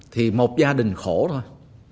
thì một gia đình khổ thôi